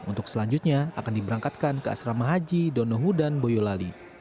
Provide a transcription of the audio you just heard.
untuk selanjutnya akan diberangkatkan ke asrama haji donohu dan boyolali